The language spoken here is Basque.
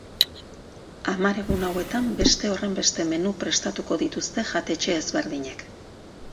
Hamar egun hauetan beste horrenbeste menu prestatuko dituzte jatetxe ezberdinek.